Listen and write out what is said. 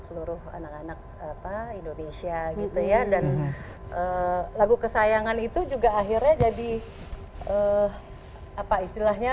seluruh anak anak apa indonesia gitu ya dan lagu kesayangan itu juga akhirnya jadi apa istilahnya